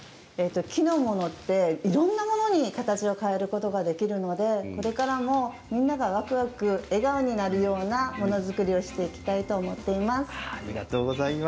木のものはいろんなものに形を変えることができるのでこれからもみんながわくわく笑顔になるような物作りをしていきたいと思っています。